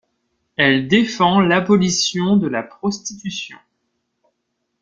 Elle défend l'abolition de la prostitution.